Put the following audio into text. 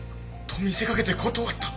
と見せかけて断った！